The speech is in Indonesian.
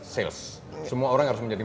sales semua orang harus menjadi